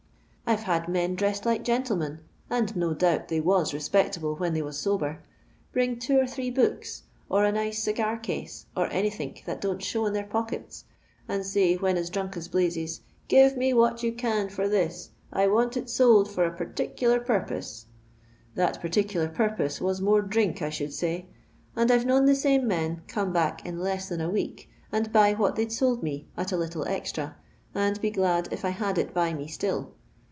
I 'vo had men dressed like gentlemen— and no doubt they was respectable when thej was sober — bring two or three books, or a nice cigar case, or anythink that don't show in their pockets, and say, when as drunk as blazes, ' Give me what you can for this; I want it sold for a particular purpose.' That par ticular purpose was more drink, I should say; and I 've known the same men come back in less than a week, and buy what they 'd sold me at a little extra, and be glad if I had it by me still.